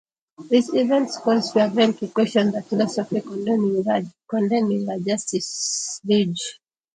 These events caused Raven to question the prophecy condemning the Justice League.